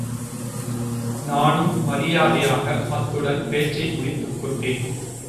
நானும் மரியாதையாக அத்துடன் பேச்சை முடித்துக் கொண்டேன்.